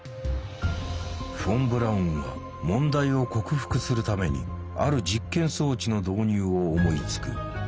フォン・ブラウンは問題を克服するためにある実験装置の導入を思いつく。